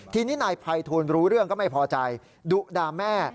ทีนี้นายภัยทูลรู้เรื่องก็ไม่พอใจดุด่าแม่